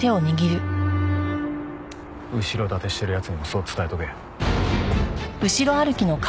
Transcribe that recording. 後ろ盾してる奴にもそう伝えておけ。